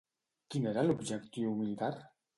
Quin era l'objectiu militar?